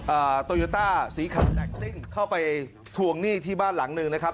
โตโยต้าสีขาวแจ็คซิ่งเข้าไปทวงหนี้ที่บ้านหลังหนึ่งนะครับ